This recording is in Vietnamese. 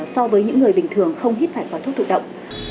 so với những người bình thường không hít phải khói thuốc thủ động